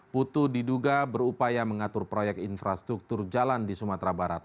putu diduga berupaya mengatur proyek infrastruktur jalan di sumatera barat